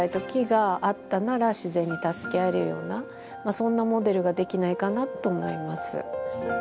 そんなモデルができないかなと思います。